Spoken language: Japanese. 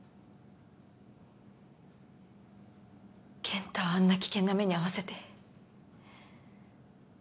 健太をあんな危険な目に遭わせて。